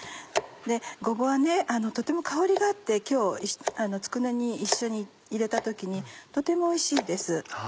ごぼうはとても香りがあって今日つくねに一緒に入れた時にとてもおいしいです。